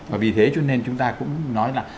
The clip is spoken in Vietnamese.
và vì thế cho nên chúng ta cũng nói là